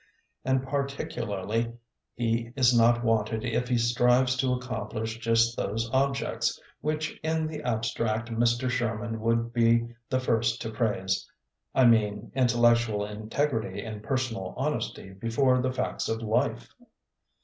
And particu larly he is not wanted if he strives to accomplish just those objects, which in the abstract Mr. Sherman would be the first to praise — I mean intellectual integrity and personal honesty before the facts of life.